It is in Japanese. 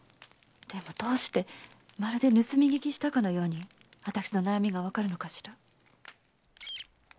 でもどうしてまるで盗み聞きしたかのように私の悩みがわかるのかしら